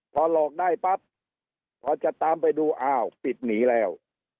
พอหลอกได้ปั๊บพอจะตามไปดูอ้าวปิดหนีแล้ว